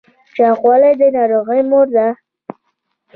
چاغوالی د ناروغیو مور ده